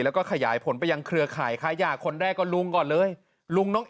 แล้วก็ขยายผลไปยังเคลือขายขายหยากคนแรกก็ลุงก่อนเลยลุงน้อง